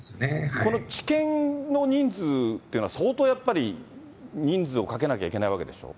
この治験の人数っていうのは、相当やっぱり人数をかけなきゃいけないわけでしょ。